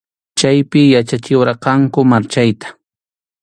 Chaypi yachachiwarqanku marchayta.